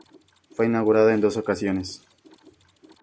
Fue inaugurada en dos ocasiones.